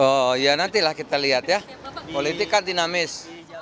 oh ya nantilah kita lihat ya politik kan dinamis